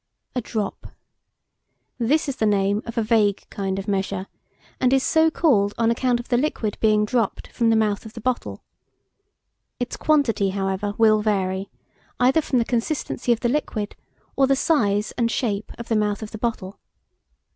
A DROP. This is the name of a vague kind of measure, and is so called on account of the liquid being dropped from the mouth of a bottle. Its quantity, however, will vary, either from the consistency of the liquid or the size and shape of the mouth of the bottle.